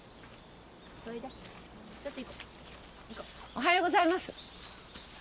おはようございます。